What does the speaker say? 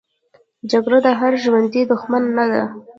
جګړه د هر ژوندي دښمنه ده